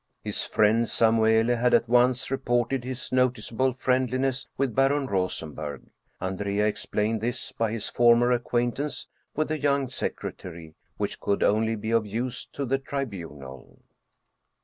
His friend Samuele had at once reported his noticeable friendliness with Baron Rosenberg. Andrea explained this by his former acquaint ance with the young secretary, which could only be of use to the Tribunal.